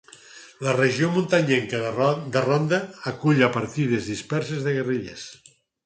La regió muntanyenca de Ronda acull a partides disperses de guerrillers.